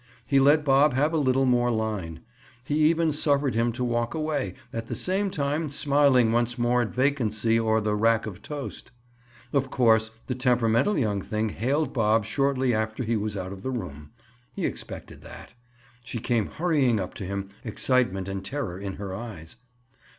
He let Bob have a little more line. He even suffered him to walk away, at the same time smiling once more at vacancy or the rack of toast. Of course the temperamental young thing hailed Bob shortly after he was out of the room. He expected that. She came hurrying up to him, excitement and terror in her eyes.